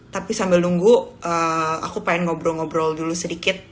tapi sambil nunggu aku pengen ngobrol ngobrol dulu sedikit